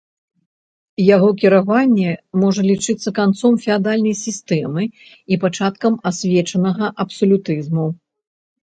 Яго кіраванне можа лічыцца канцом феадальнай сістэмы і пачаткам асвечанага абсалютызму.